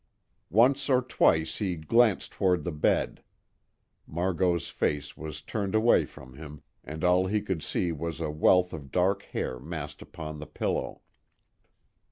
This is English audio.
Once or twice he glanced toward the bed. Margot's face was turned away from him, and all he could see was a wealth of dark hair massed upon the pillow.